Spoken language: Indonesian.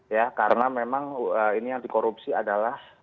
ya karena memang ini anti korupsi adalah